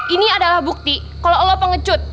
ini adalah bukti kalo lo pengecut